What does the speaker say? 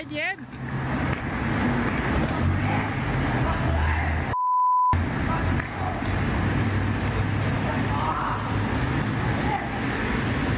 เดี๋ยวก็ไปหาที่พักใจสักพักคือค่อยกลับมาใหม่